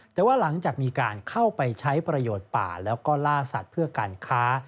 แต่ว่าหลังจากมีการเข้าไปใช้ประโยชน์ป่าแล้วก็ล่าสัตว์เพื่อการค้า